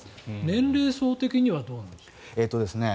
年齢層的にはどうなんですか。